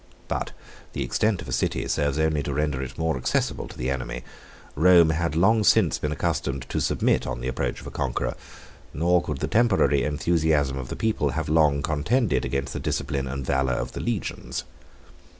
But the extent of a city serves only to render it more accessible to the enemy: Rome had long since been accustomed to submit on the approach of a conqueror; nor could the temporary enthusiasm of the people have long contended against the discipline and valor of the legions.